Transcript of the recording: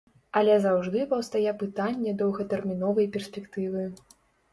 Але заўжды паўстае пытанне доўгатэрміновай перспектывы.